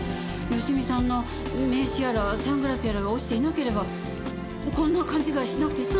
芳美さんの名刺やらサングラスやらが落ちていなければこんな勘違いしなくて済んだのに。